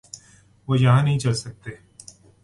وہ یہاں نہیں چل سکتے۔